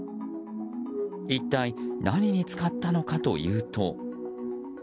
一体、何に使ったのかというと。